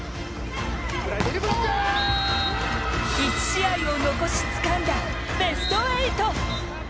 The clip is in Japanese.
１試合を残しつかんだベスト８。